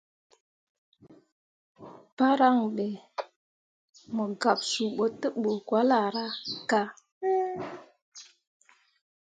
Paran be, mo gab suu bo tebǝ makolahraka.